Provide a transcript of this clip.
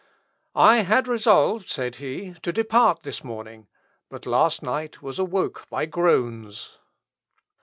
"I had resolved," said he, "to depart this morning, but last night was awoke by groans.